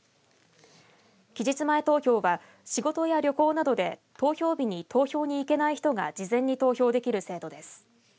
期日前投票は、仕事や旅行などで投票日に投票に行けない人が事前に投票できる制度です。